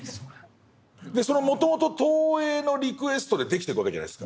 それはもともと東映のリクエストで出来てくわけじゃないですか。